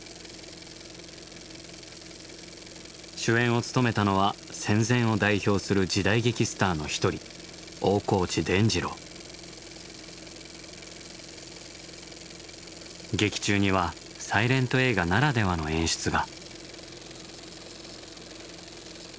主演を務めたのは戦前を代表する時代劇スターの一人劇中にはサイレント映画ならではの演出が。